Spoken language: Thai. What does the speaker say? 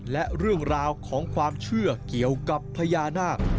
และเรื่องราวของความเชื่อเกี่ยวกับพญานาค